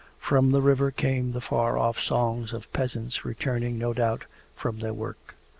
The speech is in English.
From the river came the far off songs of peasants returning, no doubt, from their work.